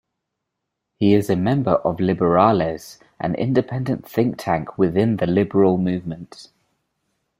He is a member of Liberales, an independent think tank within the liberal movement.